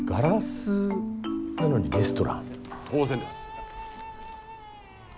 当然です。